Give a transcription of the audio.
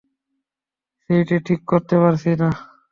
সেইটে ঠিক করতে পারছি নে।